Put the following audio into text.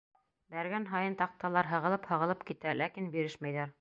Бәргән һайын таҡталар һығылып-һығылып китә, ләкин бирешмәйҙәр.